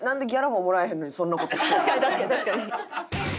確かに確かに確かに。